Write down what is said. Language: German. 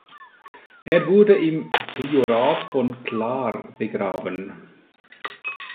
Er wurde im Priorat von Clare begraben.